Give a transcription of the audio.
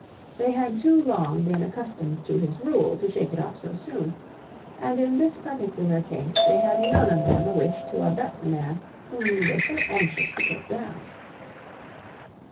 They had too long been accustomed to his rule to shake it off so soon; and in this particular case they had none of them a wish to abet the man whom he was so anxious to put down.